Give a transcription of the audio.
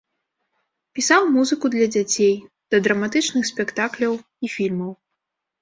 Пісаў музыку для дзяцей, да драматычных спектакляў і фільмаў.